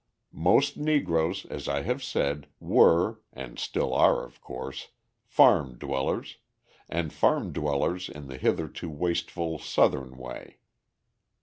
Most Negroes, as I have said, were (and still are, of course) farm dwellers, and farm dwellers in the hitherto wasteful Southern way.